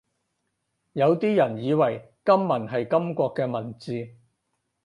有啲人以為金文係金國嘅文字